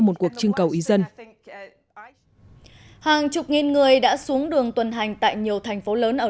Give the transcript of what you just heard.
một cuộc trưng cầu ý dân hàng chục nghìn người đã xuống đường tuần hành tại nhiều thành phố lớn ở